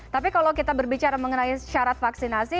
tapi kalau kita berbicara mengenai syarat vaksinasi